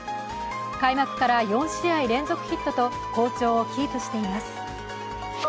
開幕から４試合連続ヒットと、好調をキープしています。